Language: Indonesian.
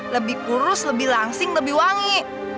lebih kurus lebih langsing lebih wangi